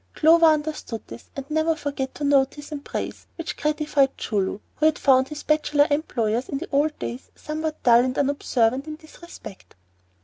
Clover understood this and never forgot to notice and praise, which gratified Choo Loo, who had found his bachelor employers in the old days somewhat dull and unobservant in this respect.